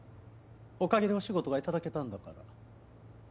おかげでお仕事が頂けたんだから。